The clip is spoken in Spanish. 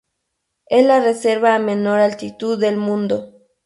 Es la reserva a menor altitud del mundo.